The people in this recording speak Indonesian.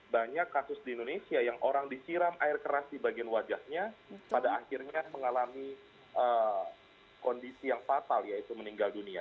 banyak kasus di indonesia yang orang disiram air keras di bagian wajahnya pada akhirnya mengalami kondisi yang fatal yaitu meninggal dunia